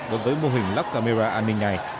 đối với mô hình lắp camera an ninh này